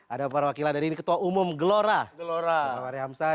ada perwakilan dari ketua umum gelora bapak wary hamzah